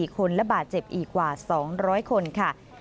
๔คนและบาดเจ็บอีกกว่า๒๐๐คนค่ะ